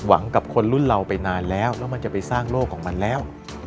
กับคนรุ่นเราไปนานแล้วแล้วมันจะไปสร้างโลกของมันแล้ว